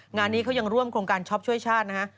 งานนี้เขายังร่วมโครงการช็อปช่วยชาตินะฮะ